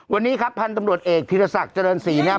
วันนี้ครับพันธุ์ตำรวจเอกธีรศักดิ์เจริญศรีนะครับ